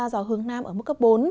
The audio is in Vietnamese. gió hướng nam ở mức cấp bốn